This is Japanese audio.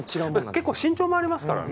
結構身長もありますからね